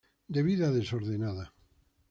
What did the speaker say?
De vida desordenada.